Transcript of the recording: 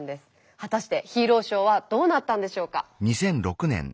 果たしてヒーローショーはどうなったんでしょうか？